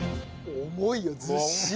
重いよずっしり。